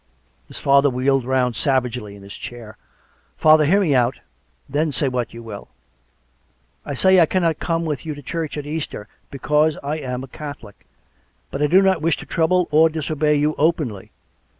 His father wheeled round savagely in his chair. " Father, hear me out, and then say what you will. ... I say I cannot come with you to church at Easter, because I am a Catholic. But I do not wish to trouble or disobey you openly.